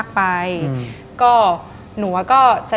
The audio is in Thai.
ดิงกระพวน